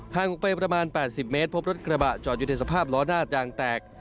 ออกไปประมาณ๘๐เมตรพบรถกระบะจอดอยู่ในสภาพล้อหน้ายางแตก